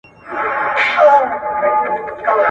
تاسو به د نورو په مخ کي ښه مثال جوړوئ.